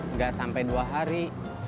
nggak sampai dua hari